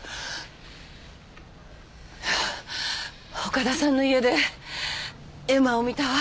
岡田さんの家で絵馬を見たわ。